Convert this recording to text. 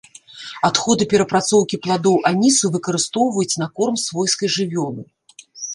Адходы перапрацоўкі пладоў анісу выкарыстоўваюць на корм свойскай жывёлы.